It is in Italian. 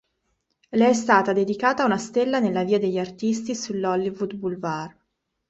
Le è stata dedicata una stella nella "Via degli Artisti" sull'Hollywood Boulevard.